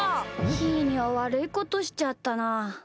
ひーにはわるいことしちゃったな。